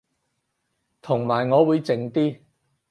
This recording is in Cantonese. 同埋我會靜啲